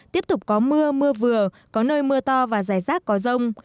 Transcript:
tiếp tục có mưa mưa vừa có nơi mưa to và rải rác có rông